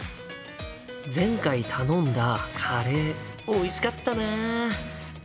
前回頼んだカレーおいしかったな。